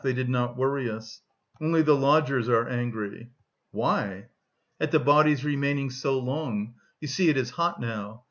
they did not worry us... only the lodgers are angry." "Why?" "At the body's remaining so long. You see it is hot now.